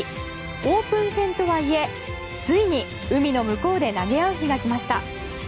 オープン戦とはいえついに、海の向こうで投げ合う日が来ました。